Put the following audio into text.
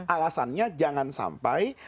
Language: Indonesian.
alasannya jangan sampai